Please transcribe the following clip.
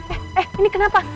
eh eh ini kenapa